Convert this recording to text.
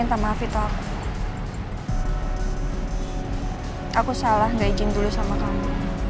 aku salah gak izin dulu sama kamu